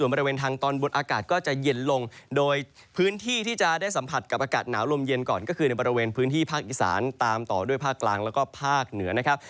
ภาคอีสานตามต่อด้วยภาคกลางแล้วก็ภาคเหนือนะครับ